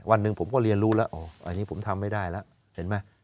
หนึ่งผมก็เรียนรู้แล้วอ๋ออันนี้ผมทำไม่ได้แล้วเห็นไหม